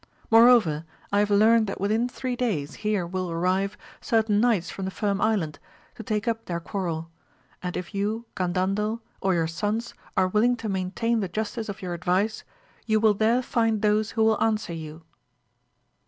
Moreover I have learnt that within three days here will arrive certain knights from the Firm Island to take up their quarrel; and if you Gandandel, or your sons are wiUing to maintain the justice of your advice, you will there find those who will answer you.